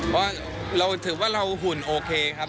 เพราะเราถือว่าเราหุ่นโอเคครับ